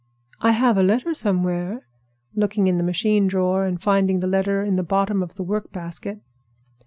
"I have a letter somewhere," looking in the machine drawer and finding the letter in the bottom of the workbasket.